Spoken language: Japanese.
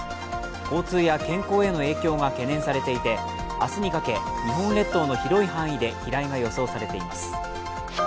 交通や健康への影響が懸念されていて、明日にかけ日本列島の広い範囲で飛来が予想されています。